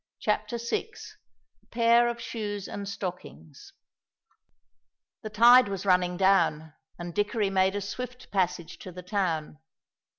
CHAPTER VI A PAIR OF SHOES AND STOCKINGS The tide was running down, and Dickory made a swift passage to the town.